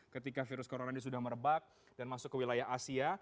ketika virus corona ini sudah merebak dan masuk ke wilayah asia